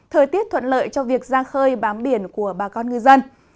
thời tiết thuận lợi cho việc ra khơi bám biển của bà con ngư dân